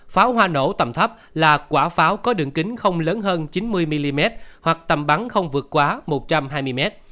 pháo hoa nổ tầm thấp là quả pháo có đường kính không lớn hơn chín mươi mm hoặc tầm bắn không vượt quá một trăm hai mươi m